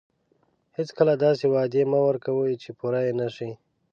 هیڅکله داسې وعدې مه ورکوئ چې پوره یې نه شئ.